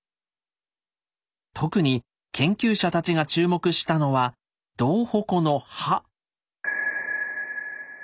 特に研究者たちが注目したのは銅矛の刃。